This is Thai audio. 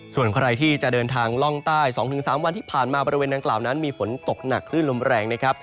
ส่วนใครที่จะเดินทางล่องใต้๒๓วันที่ผ่านมาบริเวณดังกล่าวนั้นมีฝนตกหนักคลื่นลมแรงนะครับ